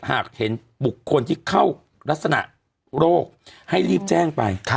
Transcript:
หากเห็นบุคคลที่เข้ารักษณะโรคให้รีบแจ้งไป